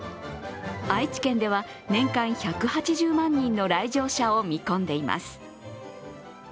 愛知県では、年間１８０万人の来場者を見込んでいます。